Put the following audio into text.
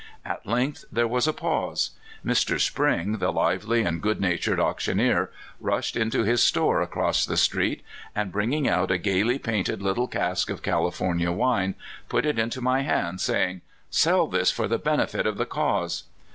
At length there was a pause. Mr. Spring, the lively and good natured auctioneer, rushed into his store across the street, and bringing out a gaily painted little cask of California wine, put it into my hands, saying —" Sell this for the benefit of the cause."